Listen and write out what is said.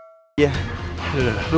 kamu pasti sedih